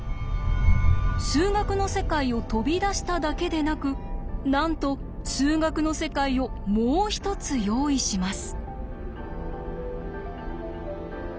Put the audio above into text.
数学の世界を飛び出しただけでなくなんと数学の世界をもう一つ用意します。